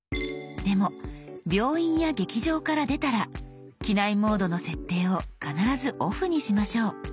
でも病院や劇場から出たら「機内モード」の設定を必ず「ＯＦＦ」にしましょう。